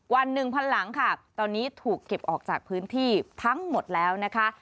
วันหนึ่งพันหลังค่ะตอนนี้ถูกเก็บออกจากพื้นที่ทั้งหมดแล้วนะคะ